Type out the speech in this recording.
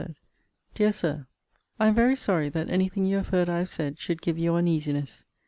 DEAR SIR, I am very sorry that any thing you have heard I have said should give you uneasiness.